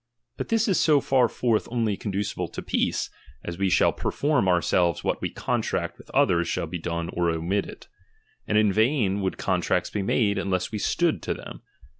But this is so far forth only conducible to peace, as we shall perform ourselves what we contract with others shall be done or omitted ; and in vain would contacts be made, unless we stood to them.